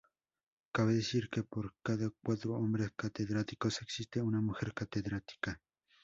Cabe decir que por cada cuatro hombres catedráticos existe una mujer catedrática.